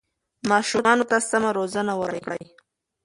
ماشومانو ته سمه روزنه ورکړئ.